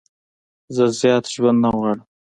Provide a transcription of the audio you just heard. زه زیات ژوند نه غواړم.